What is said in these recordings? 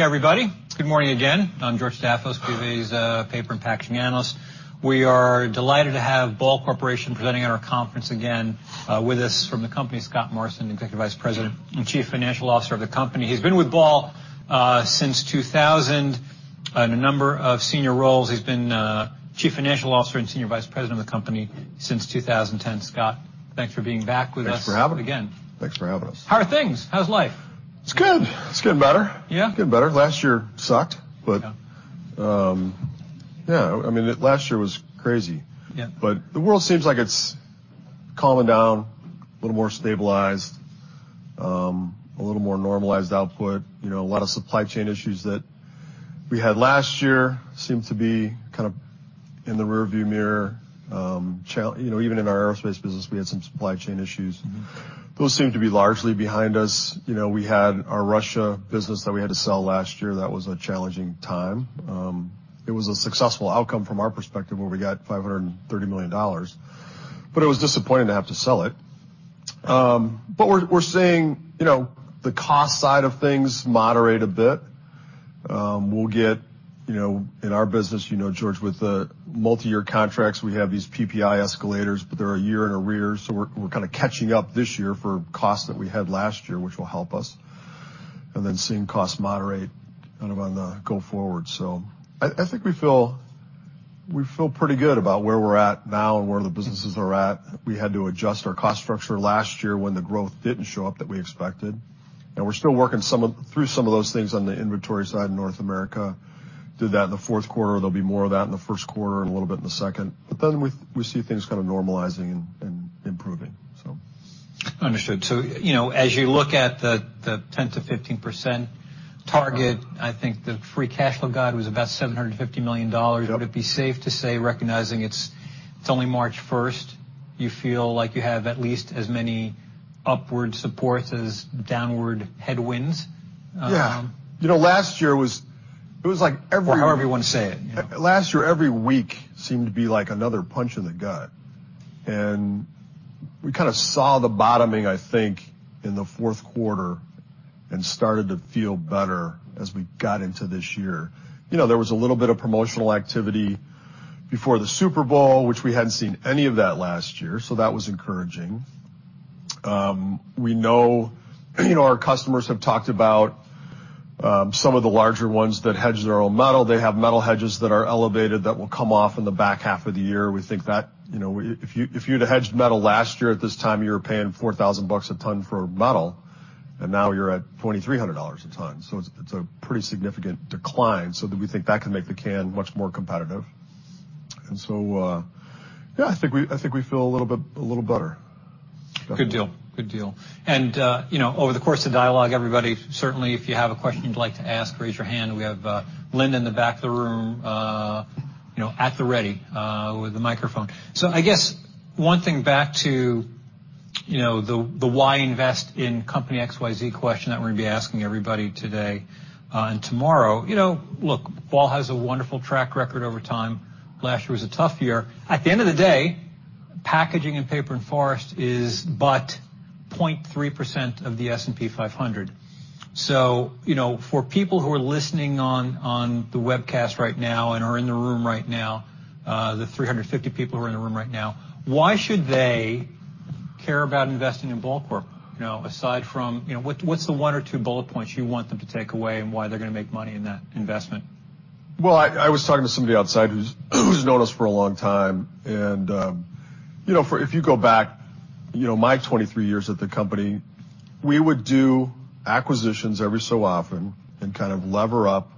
Okay, everybody. Good morning again. I'm George Staphos, BofA's Paper and Packaging Analyst. We are delighted to have Ball Corporation presenting at our conference again. With us from the company, Scott Morrison, Executive Vice President and Chief Financial Officer of the company. He's been with Ball since 2000 in a number of senior roles. He's been Chief Financial Officer and Senior Vice President of the company since 2010. Scott, thanks for being back with us again. Thanks for having me. Thanks for having us. How are things? How's life? It's good. It's getting better. Yeah. Getting better. Last year sucked, but- Yeah. Yeah, I mean, last year was crazy. Yeah. The world seems like it's calming down, a little more stabilized, a little more normalized output. You know, a lot of supply chain issues that we had last year seem to be kind of in the rearview mirror. You know, even in our aerospace business, we had some supply chain issues. Mm-hmm. Those seem to be largely behind us. You know, we had our Russia business that we had to sell last year. That was a challenging time. It was a successful outcome from our perspective, where we got $530 million, but it was disappointing to have to sell it. We're seeing, you know, the cost side of things moderate a bit. We'll get, you know, in our business, you know, George, with the multiyear contracts, we have these PPI escalators, but they're a year in arrears, so we're kinda catching up this year for costs that we had last year, which will help us. Seeing costs moderate kind of on the go forward. I think we feel pretty good about where we're at now and where the businesses are at. We had to adjust our cost structure last year when the growth didn't show up that we expected. We're still working through some of those things on the inventory side in North America. Did that in the fourth quarter. There'll be more of that in the first quarter and a little bit in the second. We see things kinda normalizing and improving, so. Understood. you know, as you look at the 10%-15% target, I think the free cash flow guide was about $750 million. Yep. Would it be safe to say, recognizing it's only March 1st, you feel like you have at least as many upward supports as downward headwinds? Yeah. You know, It was like every- However you wanna say it. Last year, every week seemed to be like another punch in the gut. We kind of saw the bottoming, I think, in the fourth quarter and started to feel better as we got into this year. You know, there was a little bit of promotional activity before the Super Bowl, which we hadn't seen any of that last year, so that was encouraging. We know, you know, our customers have talked about some of the larger ones that hedge their own metal. They have metal hedges that are elevated that will come off in the back half of the year. We think that, you know, if you, if you'd have hedged metal last year at this time, you were paying $4,000 a ton for bottle, and now you're at $2,300 a ton. It's a pretty significant decline, so that we think that can make the can much more competitive. Yeah, I think we feel a little bit, a little better. Good deal. Good deal. You know, over the course of dialogue, everybody, certainly, if you have a question you'd like to ask, raise your hand. We have Lynn in the back of the room, you know, at the ready with the microphone. I guess one thing back to, you know, the why invest in company XYZ question that we're gonna be asking everybody today and tomorrow. You know, look, Ball has a wonderful track record over time. Last year was a tough year. At the end of the day, packaging and paper and forest is but 0.3% of the S&P 500. you know, for people who are listening on the webcast right now and are in the room right now, the 350 people who are in the room right now, why should they care about investing in Ball Corp? You know, aside from, you know, what's the one or two bullet points you want them to take away and why they're gonna make money in that investment? Well, I was talking to somebody outside who's known us for a long time. You know, if you go back, you know, my 23 years at the company, we would do acquisitions every so often and kind of lever up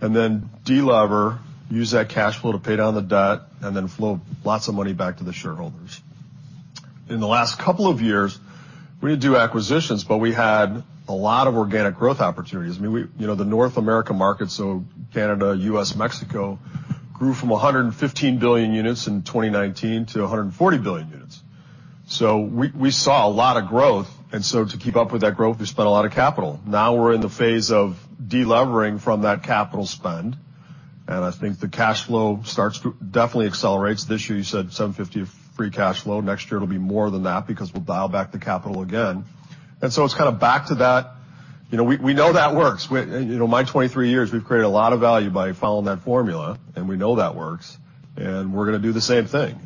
and then de-lever, use that cash flow to pay down the debt, and then flow lots of money back to the shareholders. In the last couple of years, we didn't do acquisitions, but we had a lot of organic growth opportunities. I mean, we, you know, the North America market, so Canada, U.S., Mexico, grew from 115 billion units in 2019 to 140 billion units. We saw a lot of growth. To keep up with that growth, we spent a lot of capital. Now we're in the phase of de-levering from that capital spend, and I think the cash flow starts to definitely accelerates. This year, you said $750 million of free cash flow. Next year it'll be more than that because we'll dial back the capital again. It's kind of back to that. You know, we know that works. We, you know, my 23 years, we've created a lot of value by following that formula, and we know that works, and we're gonna do the same thing.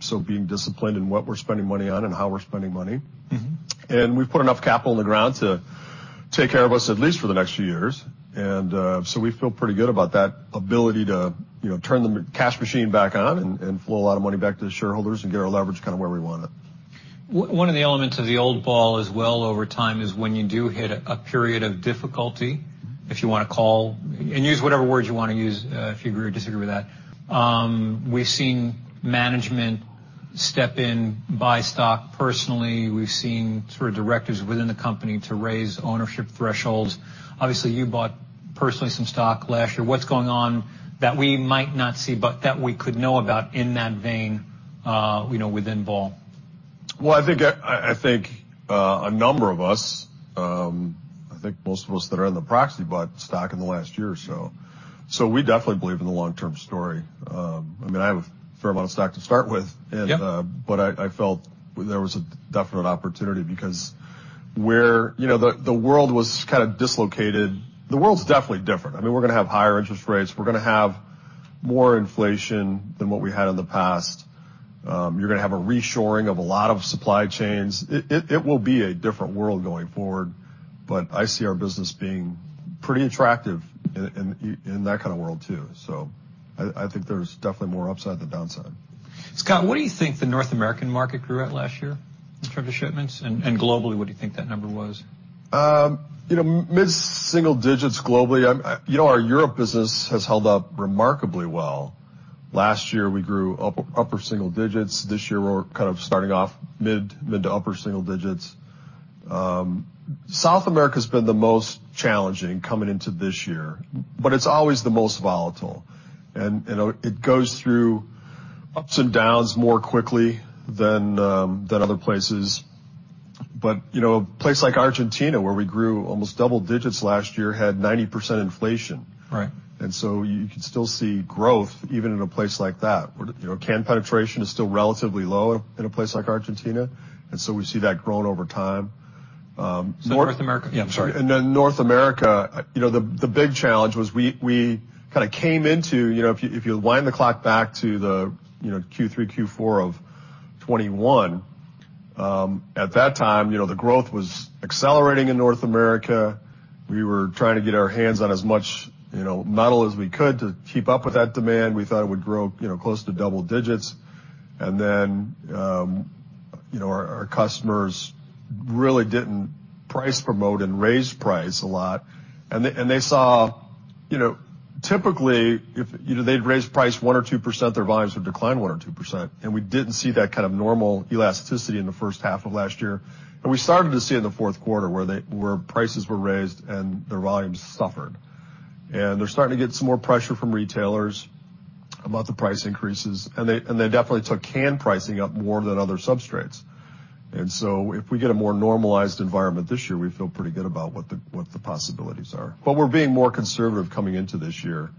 So being disciplined in what we're spending money on and how we're spending money. Mm-hmm. We've put enough capital on the ground to take care of us, at least for the next few years. We feel pretty good about that ability to, you know, turn the cash machine back on and flow a lot of money back to the shareholders and get our leverage kind of where we want it. One of the elements of the old Ball as well over time is when you do hit a period of difficulty, if you wanna call, and use whatever words you wanna use, if you agree or disagree with that. We've seen management step in, buy stock personally. We've seen sort of directors within the company to raise ownership thresholds. Obviously, you bought personally some stock last year. What's going on that we might not see but that we could know about in that vein, you know, within Ball? Well, I think a number of us, I think most of us that are in the proxy bought stock in the last year or so. We definitely believe in the long-term story. I mean, I have a fair amount of stock to start with. Yep. But I felt there was a definite opportunity because you know, the world was kind of dislocated. The world's definitely different. I mean, we're gonna have higher interest rates. We're gonna have more inflation than what we had in the past. You're gonna have a reshoring of a lot of supply chains. It, it will be a different world going forward, but I see our business being pretty attractive in, in that kind of world too. I think there's definitely more upside than downside. Scott, what do you think the North American market grew at last year in terms of shipments? Globally, what do you think that number was? you know, mid-single digits globally. you know, our Europe business has held up remarkably well. Last year, we grew upper single digits. This year, we're kind of starting off mid to upper single digits. South America's been the most challenging coming into this year, but it's always the most volatile. you know, it goes through ups and downs more quickly than other places. you know, a place like Argentina, where we grew almost double digits last year, had 90% inflation. Right. You can still see growth even in a place like that where, you know, can penetration is still relatively low in a place like Argentina, and so we see that growing over time. North America. Yeah, I'm sorry. North America, you know, the big challenge was we kinda came into. You know, if you wind the clock back to the, you know, Q3, Q4 of 2021, at that time, you know, the growth was accelerating in North America. We were trying to get our hands on as much, you know, metal as we could to keep up with that demand. We thought it would grow, you know, close to double digits. Our customers really didn't price promote and raise price a lot. They saw, you know, typically if, you know, they'd raise price 1% or 2%, their volumes would decline 1% or 2%, and we didn't see that kind of normal elasticity in the first half of last year. We started to see in the fourth quarter where prices were raised and their volumes suffered. They're starting to get some more pressure from retailers about the price increases, and they definitely took can pricing up more than other substrates. If we get a more normalized environment this year, we feel pretty good about what the possibilities are. We're being more conservative coming into this year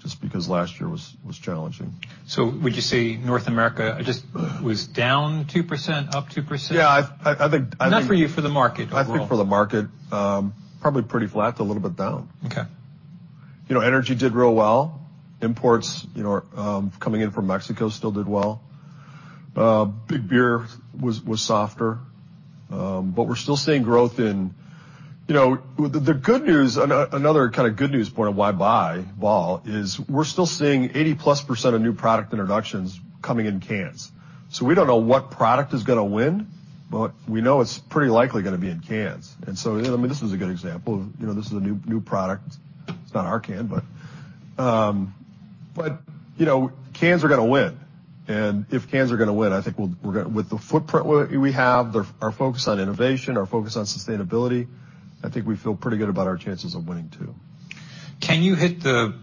just because last year was challenging. Would you say North America just was down 2%, up 2%? Yeah. I think. Not for you, for the market overall. I think for the market, probably pretty flat to a little bit down. Okay. You know, energy did real well. Imports, you know, coming in from Mexico still did well. Big beer was softer. We're still seeing growth in. You know, the good news and another kinda good news point of why buy Ball is we're still seeing 80%+ of new product introductions coming in cans. We don't know what product is gonna win, but we know it's pretty likely gonna be in cans. I mean, this is a good example. You know, this is a new product. It's not our can, but, you know, cans are gonna win. If cans are gonna win, I think we're gonna. With the footprint we have, our focus on innovation, our focus on sustainability, I think we feel pretty good about our chances of winning, too. Can you hit the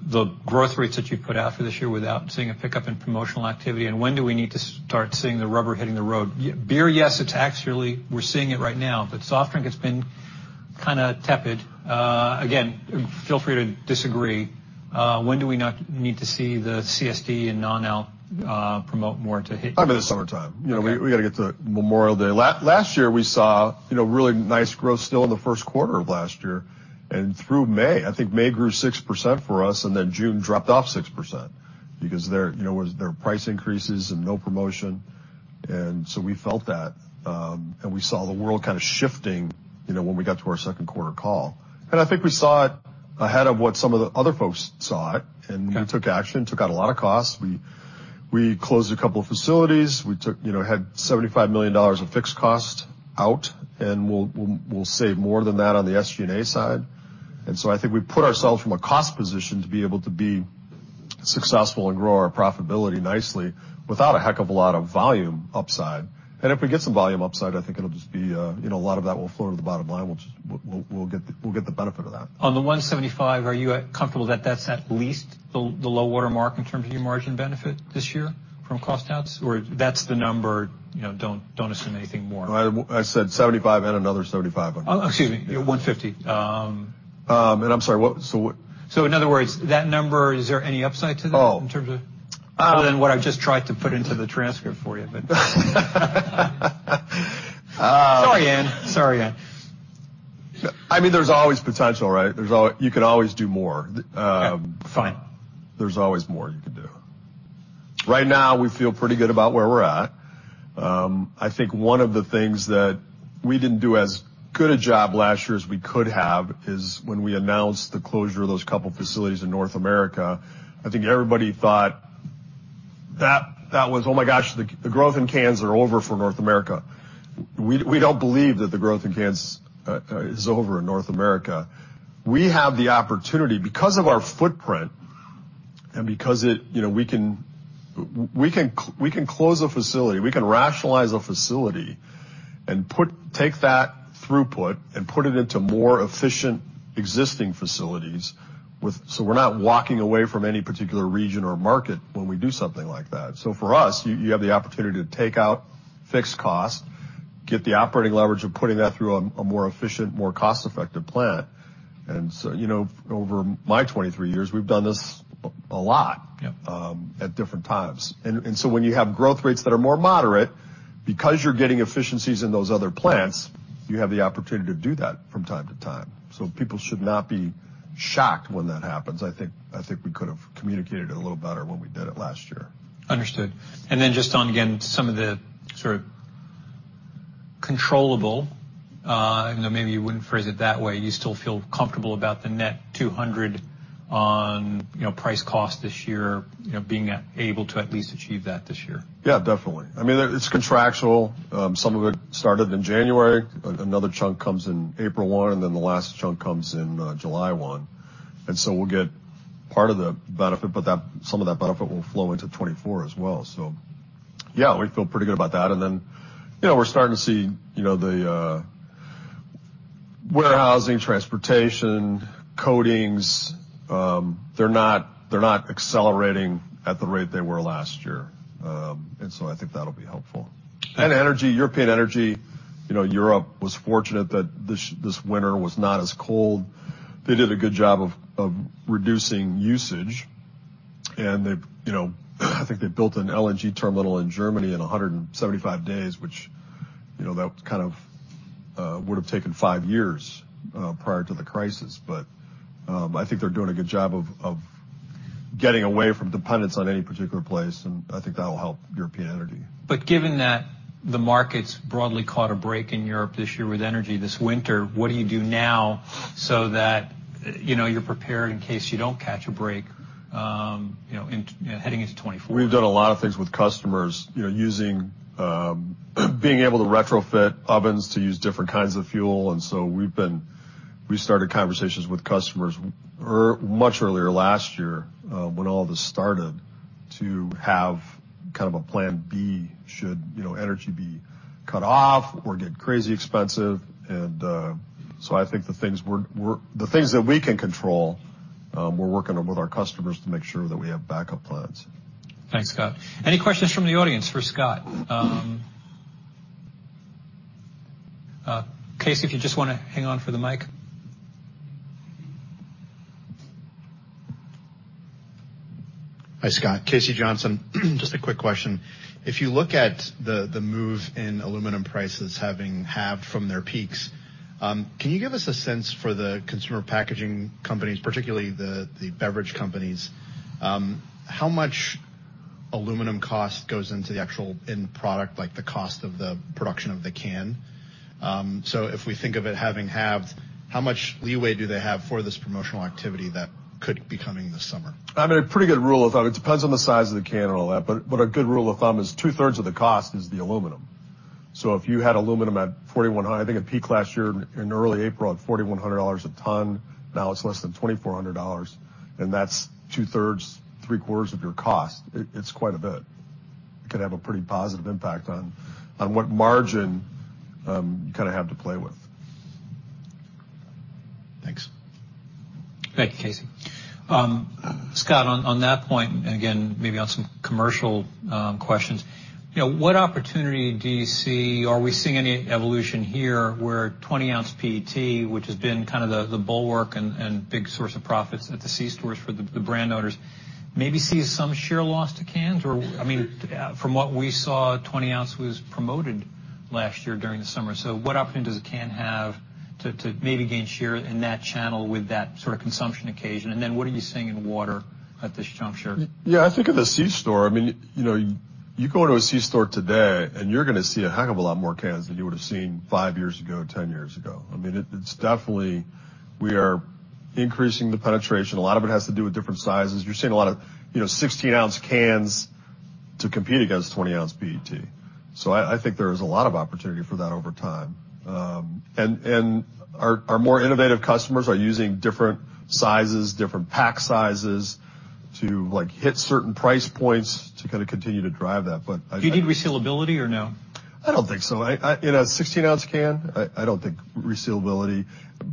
growth rates that you put out for this year without seeing a pickup in promotional activity? When do we need to start seeing the rubber hitting the road? Beer, yes, it's actually, we're seeing it right now. Soft drink, it's been kind of tepid. Again, feel free to disagree. When do we not need to see the CSD and non-alc promote more to hit. I mean, the summertime. Okay. You know, we gotta get to Memorial Day. Last year, we saw, you know, really nice growth still in the first quarter of last year and through May. I think May grew 6% for us. June dropped off 6% because their, you know, was their price increases and no promotion. We felt that, and we saw the world kinda shifting, you know, when we got to our second quarter call. I think we saw it ahead of what some of the other folks saw it. Okay. We took action, took out a lot of costs. We closed a couple of facilities. you know, had $75 million of fixed cost out, and we'll save more than that on the SG&A side. I think we put ourselves from a cost position to be able to be successful and grow our profitability nicely without a heck of a lot of volume upside. If we get some volume upside, I think it'll just be, you know, a lot of that will flow to the bottom line. We'll just, we'll get the benefit of that. On the $175 million, are you comfortable that that's at least the low water mark in terms of your margin benefit this year from cost outs? Or that's the number, you know, don't assume anything more? I said $75 million and another $75 million on... Oh, excuse me. Yeah, $150 million. I'm sorry, what? In other words, that number, is there any upside to that? Oh. Other than what I've just tried to put into the transcript for you, but. Um. Sorry, Anne. I mean, there's always potential, right? You can always do more. Fine. There's always more you can do. Right now, we feel pretty good about where we're at. I think one of the things that we didn't do as good a job last year as we could have is when we announced the closure of those couple facilities in North America, I think everybody thought that that was, "Oh my gosh, the growth in cans are over for North America." We don't believe that the growth in cans is over in North America. We have the opportunity because of our footprint and because it, you know, we can close a facility, we can rationalize a facility and take that throughput and put it into more efficient existing facilities. We're not walking away from any particular region or market when we do something like that. For us, you have the opportunity to take out fixed cost. Get the operating leverage of putting that through a more efficient, more cost-effective plant. you know, over my 23 years, we've done this a lot. Yep. At different times. When you have growth rates that are more moderate, because you're getting efficiencies in those other plants, you have the opportunity to do that from time to time. People should not be shocked when that happens. I think we could have communicated it a little better when we did it last year. Understood. Just on, again, some of the sort of controllable, I know maybe you wouldn't phrase it that way, you still feel comfortable about the net $200 million on, you know, price cost this year, you know, being able to at least achieve that this year? Yeah, definitely. I mean, it's contractual. Some of it started in January. another chunk comes in April 1, and then the last chunk comes in July 1. We'll get part of the benefit, but some of that benefit will flow into 2024 as well. Yeah, we feel pretty good about that. Then, you know, we're starting to see, you know, the warehousing, transportation, coatings, they're not, they're not accelerating at the rate they were last year. I think that'll be helpful. Energy, European energy, you know, Europe was fortunate that this winter was not as cold. They did a good job of reducing usage. They've, you know, I think they built an LNG terminal in Germany in 175 days, which, you know, that kind of, would have taken five years, prior to the crisis. I think they're doing a good job of getting away from dependence on any particular place, and I think that will help European energy. Given that the markets broadly caught a break in Europe this year with energy this winter, what do you do now so that, you know, you're prepared in case you don't catch a break, you know, heading into 2024? We've done a lot of things with customers, you know, using being able to retrofit ovens to use different kinds of fuel. We started conversations with customers much earlier last year, when all this started to have kind of a plan B should, you know, energy be cut off or get crazy expensive. I think the things we're the things that we can control, we're working with our customers to make sure that we have backup plans. Thanks, Scott. Any questions from the audience for Scott? Casey, if you just wanna hang on for the mic. Hi, Scott. Casey Johnson. Just a quick question. If you look at the move in aluminum prices having halved from their peaks, can you give us a sense for the consumer packaging companies, particularly the beverage companies, how much aluminum cost goes into the actual end product, like the cost of the production of the can? If we think of it having halved, how much leeway do they have for this promotional activity that could be coming this summer? I mean, a pretty good rule of thumb, it depends on the size of the can and all that, but a good rule of thumb is 2/3 of the cost is the aluminum. If you had aluminum at I think it peaked last year in early April at $4,100 a ton. Now it's less than $2,400, and that's 2/3, 3/4 of your cost. It's quite a bit. It could have a pretty positive impact on what margin you kinda have to play with. Thanks. Thank you, Casey. Scott, on that point, again, maybe on some commercial questions, you know, what opportunity do you see? Are we seeing any evolution here where 20 oz PET, which has been kind of the bulwark and big source of profits at the C-stores for the brand owners, maybe see some share loss to cans? I mean, from what we saw, 20 oz was promoted last year during the summer. What opportunity does a can have to maybe gain share in that channel with that sort of consumption occasion? What are you seeing in water at this juncture? Yeah, I think at the C-store, I mean, you know, you go into a C-store today and you're gonna see a heck of a lot more cans than you would have seen five years ago, 10 years ago. I mean, it's definitely we are increasing the penetration. A lot of it has to do with different sizes. You're seeing a lot of, you know, 16 oz cans to compete against 20 oz PET. I think there is a lot of opportunity for that over time. And our more innovative customers are using different sizes, different pack sizes to, like, hit certain price points to kinda continue to drive that, but I. Do you need resealability or no? I don't think so. I in a 16 oz can, I don't think resealability.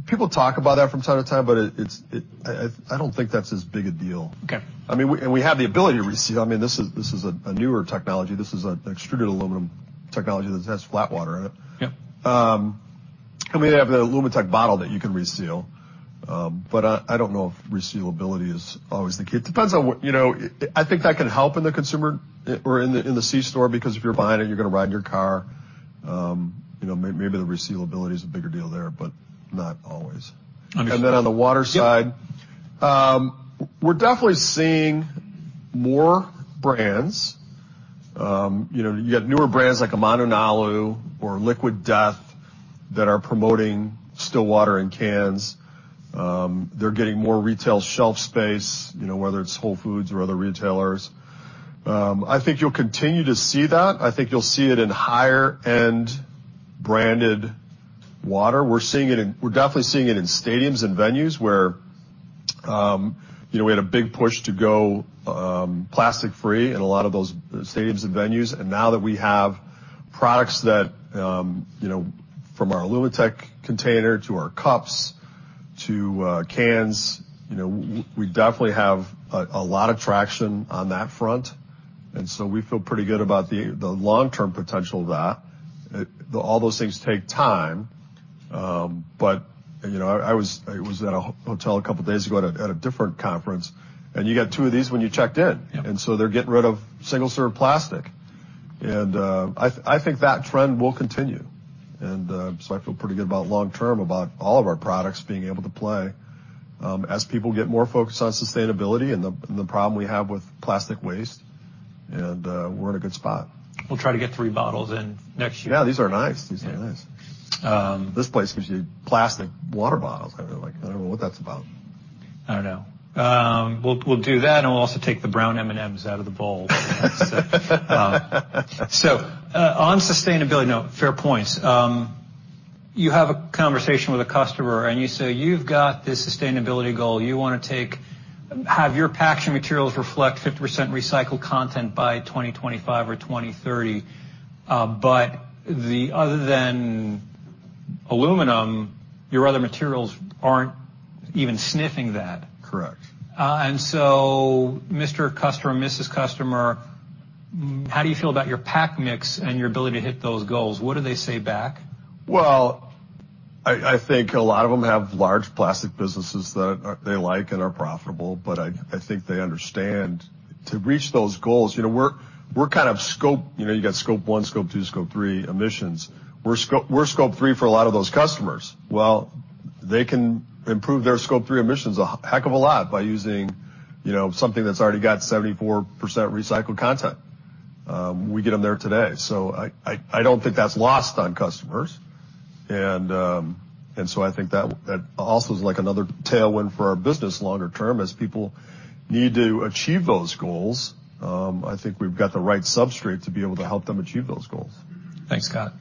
People talk about that from time to time, but it's I don't think that's as big a deal. Okay. I mean, we have the ability to reseal. I mean, this is a newer technology. This is an extruded aluminum technology that has flat water in it. Yep. We have the Alumi-Tek bottle that you can reseal. I don't know if resealability is always the key. It depends on what, you know... I think that can help in the consumer or in the, in the C-store, because if you're buying it, you're gonna ride in your car. You know, maybe the resealability is a bigger deal there, but not always. Understood. On the water side. Yep. We're definitely seeing more brands. You know, you got newer brands like Mananalu or Liquid Death that are promoting still water in cans. They're getting more retail shelf space, you know, whether it's Whole Foods or other retailers. I think you'll continue to see that. I think you'll see it in higher-end branded water. We're definitely seeing it in stadiums and venues where, you know, we had a big push to go plastic-free in a lot of those stadiums and venues. Now that we have products that, you know, from our Alumi-Tek container to our cups to cans, we definitely have a lot of traction on that front, and so we feel pretty good about the long-term potential of that. All those things take time, but, you know, I was at a hotel a couple days ago at a different conference, and you got two of these when you checked in. Yeah. They're getting rid of single-serve plastic. I think that trend will continue. I feel pretty good about long term about all of our products being able to play, as people get more focused on sustainability and the problem we have with plastic waste, we're in a good spot. We'll try to get three bottles in next year. Yeah, these are nice. These are nice. Yeah. This place gives you plastic water bottles. Kind of like, I don't know what that's about. I don't know. We'll do that, and we'll also take the brown M&M's out of the bowl. On sustainability. No, fair points. You have a conversation with a customer, and you say, "You've got this sustainability goal. You wanna have your packaging materials reflect 50% recycled content by 2025 or 2030." Other than aluminum, your other materials aren't even sniffing that. Correct. Mr. Customer, Mrs. Customer, how do you feel about your pack mix and your ability to hit those goals? What do they say back? I think a lot of them have large plastic businesses that they like and are profitable, but I think they understand to reach those goals, you know, we're kind of scope. You know, you got Scope 1, Scope 2, Scope 3 emissions. We're Scope 3 for a lot of those customers. They can improve their Scope 3 emissions a heck of a lot by using, you know, something that's already got 74% recycled content. We get 'em there today. I, I don't think that's lost on customers. I think that also is like another tailwind for our business longer term as people need to achieve those goals. I think we've got the right substrate to be able to help them achieve those goals. Thanks, Scott.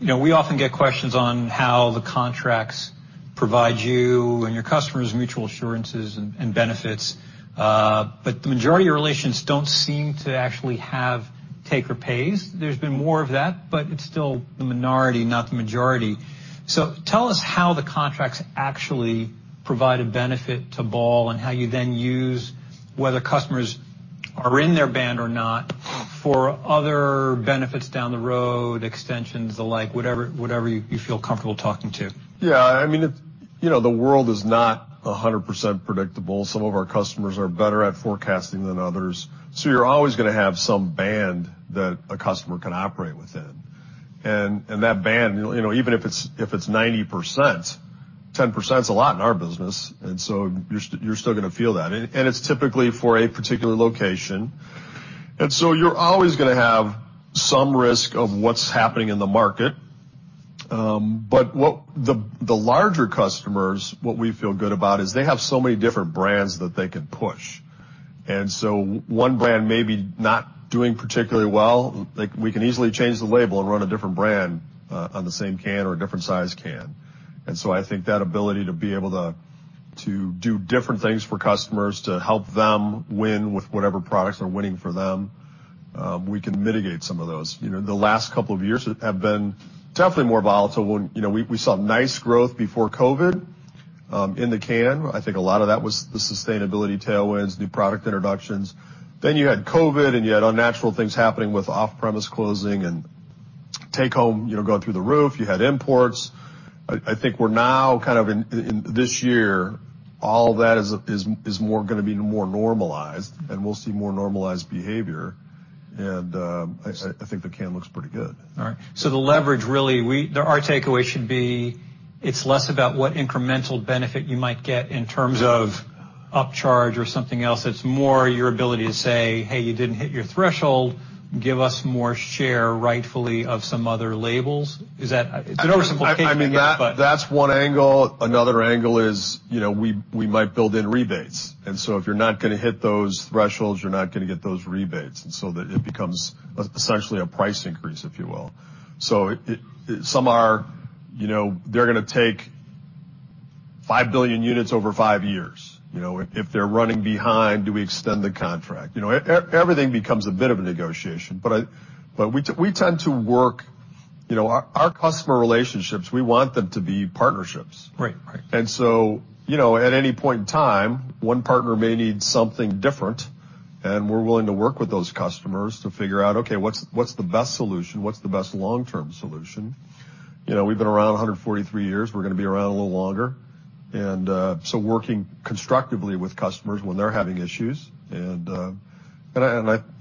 You know, we often get questions on how the contracts provide you and your customers mutual assurances and benefits. The majority of your relations don't seem to actually have take-or-pay. There's been more of that, it's still the minority, not the majority. Tell us how the contracts actually provide a benefit to Ball and how you then use whether customers are in their band or not for other benefits down the road, extensions, the like, whatever you feel comfortable talking to. I mean, you know, the world is not 100% predictable. Some of our customers are better at forecasting than others. You're always gonna have some band that a customer can operate within. That band, you know, even if it's, if it's 90%, 10%'s a lot in our business, you're still gonna feel that. It's typically for a particular location. You're always gonna have some risk of what's happening in the market. What the larger customers, what we feel good about is they have so many different brands that they can push. One brand may be not doing particularly well, like, we can easily change the label and run a different brand on the same can or a different size can. I think that ability to be able to do different things for customers, to help them win with whatever products are winning for them, we can mitigate some of those. You know, the last couple of years have been definitely more volatile when, you know, we saw nice growth before COVID in the can. I think a lot of that was the sustainability tailwinds, new product introductions. You had COVID, and you had unnatural things happening with off-premise closing and take-home, you know, going through the roof. You had imports. I think we're now kind of in this year, all that is more, gonna be more normalized, and we'll see more normalized behavior. I think the can looks pretty good. All right. The leverage really, there, our takeaway should be it's less about what incremental benefit you might get in terms of upcharge or something else. It's more your ability to say, "Hey, you didn't hit your threshold. Give us more share rightfully of some other labels." I know it's a simplification of it. I mean, that's one angle. Another angle is, you know, we might build in rebates. If you're not gonna hit those thresholds, you're not gonna get those rebates. It becomes essentially a price increase, if you will. It some are, you know, they're gonna take 5 billion units over five years. You know, if they're running behind, do we extend the contract? You know, everything becomes a bit of a negotiation. But we tend to work, you know, our customer relationships, we want them to be partnerships. Right. Right. You know, at any point in time, one partner may need something different, and we're willing to work with those customers to figure out, okay, what's the best solution? What's the best long-term solution? You know, we've been around 143 years. We're gonna be around a little longer. Working constructively with customers when they're having issues. I,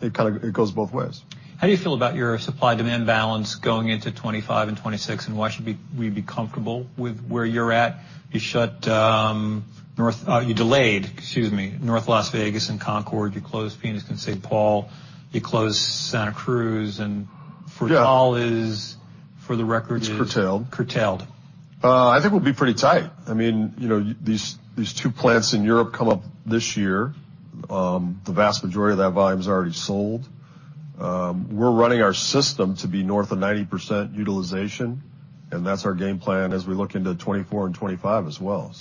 it goes both ways. How do you feel about your supply-demand balance going into 25 and 26, and why should we be comfortable with where you're at? You shut, you delayed, excuse me, North Las Vegas and Concord. You closed Phoenix and St. Paul. You closed Santa Cruz. Yeah. Fort Collins, for the record. It's curtailed. Curtailed. I think we'll be pretty tight. I mean, you know, these two plants in Europe come up this year. The vast majority of that volume is already sold. We're running our system to be north of 90% utilization, and that's our game plan as we look into 2024 and 2025 as well.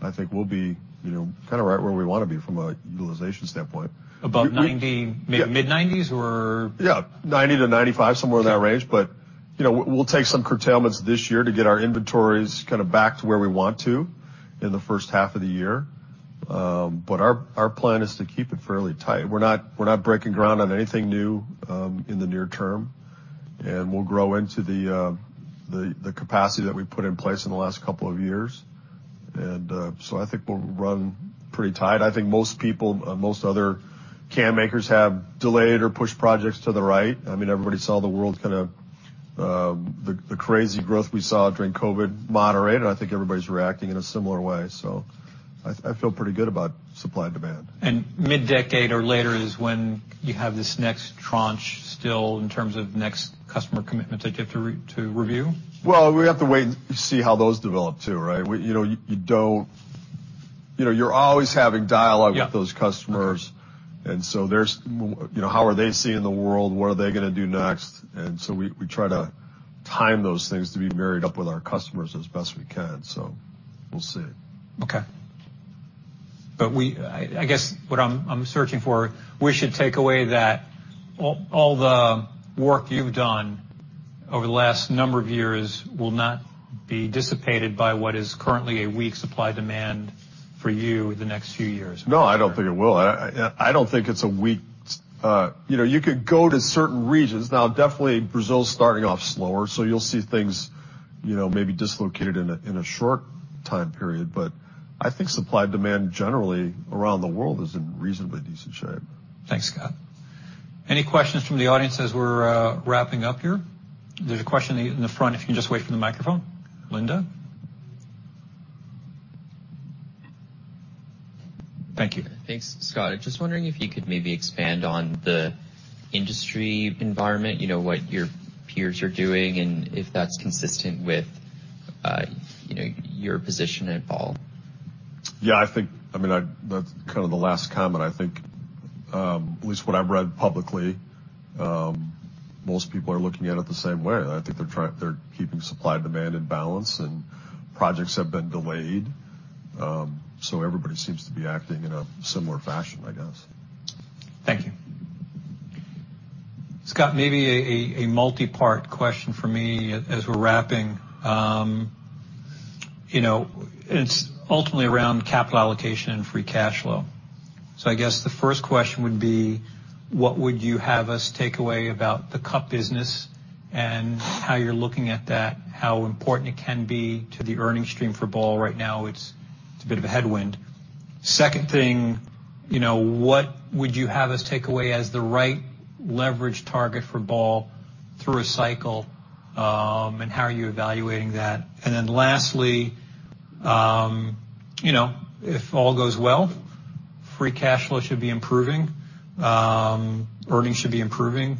I think we'll be, you know, kinda right where we wanna be from a utilization standpoint. Above 90%, mid-90%s or? Yeah. 90%-95%, somewhere in that range. You know, we'll take some curtailments this year to get our inventories kind of back to where we want to in the first half of the year. Our plan is to keep it fairly tight. We're not breaking ground on anything new in the near term. We'll grow into the capacity that we put in place in the last couple of years. I think we'll run pretty tight. I think most people, most other can makers have delayed or pushed projects to the right. I mean, everybody saw the world kind of the crazy growth we saw during COVID moderate. I think everybody's reacting in a similar way. I feel pretty good about supply and demand. Mid-decade or later is when you have this next tranche still in terms of next customer commitments that you have to review? Well, we have to wait and see how those develop too, right? We, you know, you're always having dialogue. Yeah. With those customers. There's, you know, how are they seeing the world? What are they gonna do next? We, we try to time those things to be married up with our customers as best we can. We'll see. Okay. I guess, what I'm searching for, we should take away that all the work you've done over the last number of years will not be dissipated by what is currently a weak supply demand for you the next few years. No, I don't think it will. I don't think it's a weak. You know, you could go to certain regions. Definitely Brazil is starting off slower, you'll see things, you know, maybe dislocated in a, in a short time period. I think supply demand generally around the world is in reasonably decent shape. Thanks, Scott. Any questions from the audience as we're wrapping up here? There's a question in the front, if you can just wait for the microphone. Linda. Thank you. Thanks, Scott. I'm just wondering if you could maybe expand on the industry environment. You know, what your peers are doing, and if that's consistent with, you know, your position at Ball? Yeah, I think, I mean, that's kind of the last comment. I think, at least what I've read publicly, most people are looking at it the same way. I think they're keeping supply demand in balance, and projects have been delayed. Everybody seems to be acting in a similar fashion, I guess. Thank you. Scott, maybe a multipart question from me as we're wrapping. You know, it's ultimately around capital allocation and free cash flow. I guess the first question would be: what would you have us take away about the cup business and how you're looking at that? How important it can be to the earnings stream for Ball right now? It's a bit of a headwind. Second thing, you know: what would you have us take away as the right leverage target for Ball through a cycle, and how are you evaluating that? Lastly, you know, if all goes well, free cash flow should be improving. Earnings should be improving.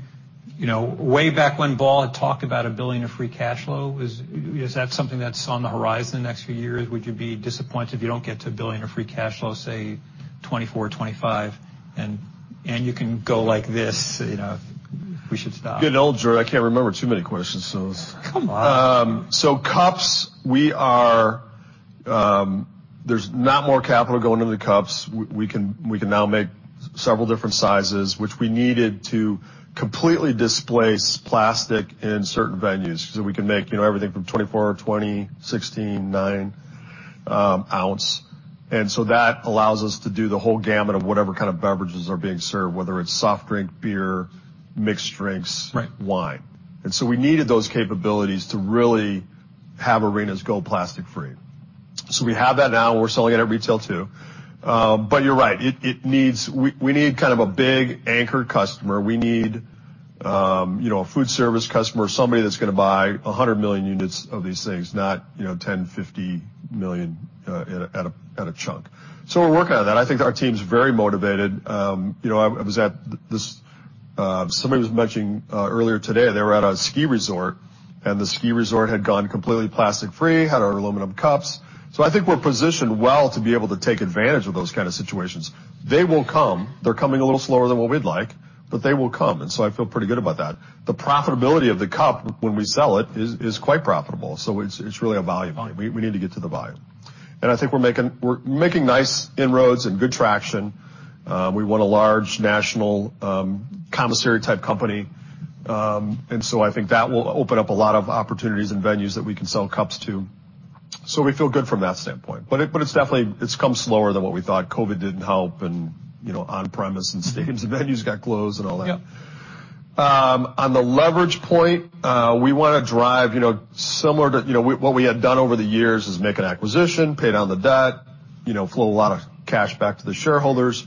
You know, way back when Ball had talked about $1 billion of free cash flow, is that something that's on the horizon the next few years? Would you be disappointed if you don't get to $1 billion of free cash flow, say, 2024 or 2025? You can go like this, you know, we should stop. Getting old, George. I can't remember too many questions, so. Come on. Cups, we are. There's not more capital going into the cups. We can now make several different sizes, which we needed to completely displace plastic in certain venues, so we can make, you know, everything from 24 oz, 20 oz, 16 oz, 9 oz. That allows us to do the whole gamut of whatever kind of beverages are being served, whether it's soft drink, beer, mixed drinks. Right. Wine. We needed those capabilities to really have arenas go plastic-free. We have that now, and we're selling it at retail too. You're right, we need kind of a big anchor customer. We need, you know, a food service customer, somebody that's gonna buy 100 million units of these things, not, you know, 10 million, 50 million at a chunk. We're working on that. I think our team's very motivated. You know, I was at this. Somebody was mentioning earlier today, they were at a ski resort, and the ski resort had gone completely plastic-free, had our aluminum cups. I think we're positioned well to be able to take advantage of those kind of situations. They will come. They're coming a little slower than what we'd like, but they will come. I feel pretty good about that. The profitability of the cup when we sell it is quite profitable. It's really a volume play. We need to get to the volume. I think we're making nice inroads and good traction. We want a large national commissary-type company. I think that will open up a lot of opportunities and venues that we can sell cups to. We feel good from that standpoint. It's definitely come slower than what we thought. COVID didn't help and, you know, on-premise and stadiums and venues got closed and all that. Yeah. On the leverage point, we wanna drive, you know, similar to, you know, what we had done over the years is make an acquisition, pay down the debt, you know, flow a lot of cash back to the shareholders.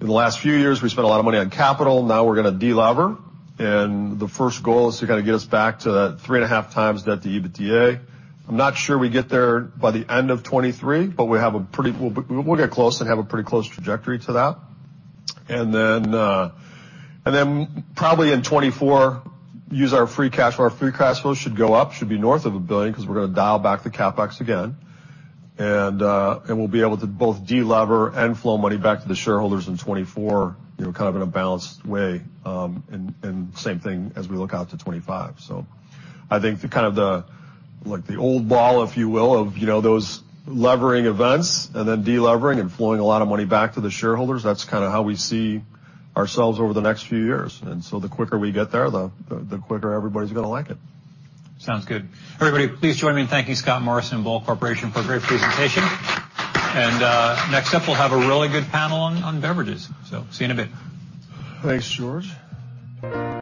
In the last few years, we spent a lot of money on capital. Now we're gonna delever. The first goal is to kind of get us back to that 3.5x net to EBITDA. I'm not sure we get there by the end of 2023, but we'll get close and have a pretty close trajectory to that. Probably in 2024, use our free cash flow. Our free cash flow should go up, should be north of $1 billion 'cause we're gonna dial back the CapEx again. We'll be able to both delever and flow money back to the shareholders in 2024, you know, kind of in a balanced way. Same thing as we look out to 2025. I think the, kind of the, like the old Ball, if you will, of, you know, those levering events and then delevering and flowing a lot of money back to the shareholders, that's kinda how we see ourselves over the next few years. The quicker we get there, the quicker everybody's gonna like it. Sounds good. Everybody, please join me in thanking Scott Morrison and Ball Corporation for a great presentation. Next up, we'll have a really good panel on beverages. See you in a bit. Thanks, George.